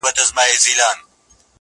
پر خپلوانو گاونډیانو مهربان وو-